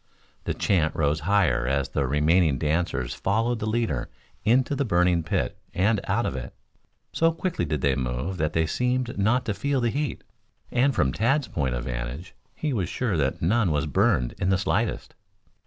The chant rose higher as the remaining dancers followed the leader into the burning pit and out of it. So quickly did they move that they seemed not to feel the heat, and from Tad's point of vantage, he was sure that none was burned in the slightest.